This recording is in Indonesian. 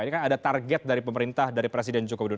ini kan ada target dari pemerintah dari presiden joko widodo